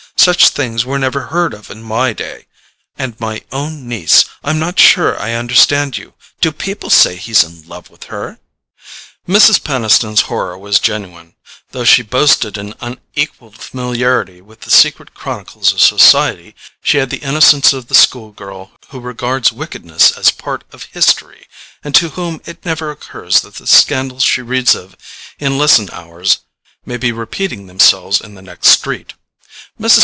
"Such things were never heard of in my day. And my own niece! I'm not sure I understand you. Do people say he's in love with her?" Mrs. Peniston's horror was genuine. Though she boasted an unequalled familiarity with the secret chronicles of society, she had the innocence of the school girl who regards wickedness as a part of "history," and to whom it never occurs that the scandals she reads of in lesson hours may be repeating themselves in the next street. Mrs.